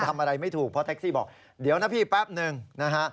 ทำอะไรไม่ถูกเพราะแท็กซี่บอกเดี๋ยวนะพี่แป๊บนึงนะฮะ